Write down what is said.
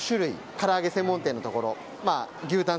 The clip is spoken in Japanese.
から揚げ専門店のところ牛タン